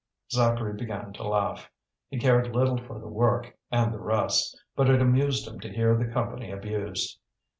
Zacharie began to laugh. He cared little for the work and the rest, but it amused him to hear the Company abused.